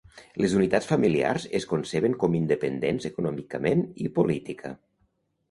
Les unitats familiars es conceben com independents econòmicament i política.